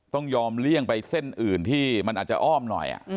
ต้องยอมเลี่ยงไปเส้นอื่นที่มันอาจจะอ้อมหน่อย